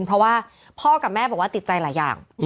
เพราะว่าพ่อกับแม่บอกว่าติดใจหลายอย่าง